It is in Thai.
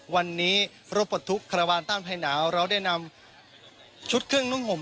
วันนี้รถปลดทุกข์คาราวานต้านภัยหนาวเราได้นำชุดเครื่องนุ่งห่ม